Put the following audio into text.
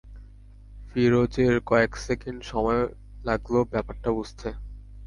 ফিরোজের কয়েক সেকেণ্ড সময় লাগল ব্যাপারটা বুঝতে।